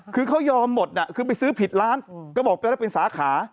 คือเขายอมหมดน่ะคือไปซื้อผิดล้านก็บอกไปแล้วเป็นสาขา